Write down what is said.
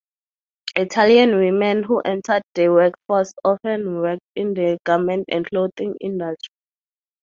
Italian women who entered the workforce often worked in the garment and clothing industry.